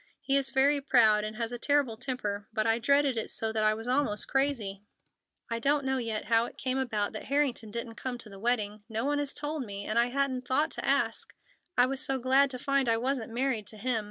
He is very proud, and has a terrible temper. But I dreaded it so that I was almost crazy. "I don't know yet how it came about that Harrington didn't come to the wedding. No one has told me, and I hadn't thought to ask, I was so glad to find I wasn't married to him.